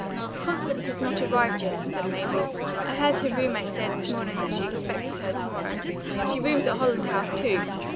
"Constance has not arrived yet," said Mabel. "I heard her roommate say this morning that she expected her to morrow. She rooms at Holland House, too.